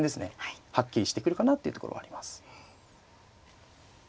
はっきりしてくるかなっていうところはあります。